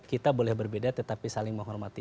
kita boleh berbeda tetapi saling menghormati